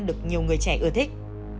được nhiều người trẻ ưa thích